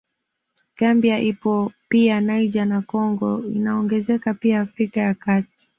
Gambia ipo pia Niger na Congo inaongenzeka pia Afrika ya Kati